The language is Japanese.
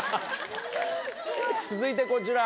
続いてこちら。